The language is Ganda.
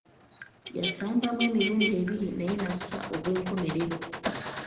Yasambamu emirundi ebiri naye n’assa ogw’enkomerero.